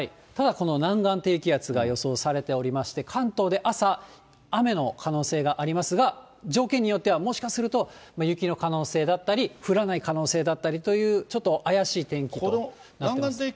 ただこの南岸低気圧が予想されておりまして、関東で朝雨の可能性がありますが、条件によってはもしかすると雪の可能性だったり、降らない可能性だったりという、ちょっと怪しい天気となってます。